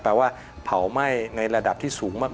ว่าเผาไหม้ในระดับที่สูงมาก